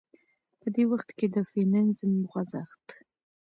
په دې وخت کې د فيمينزم خوځښت